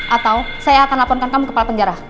atau saya akan laporkan kamu kepala penjara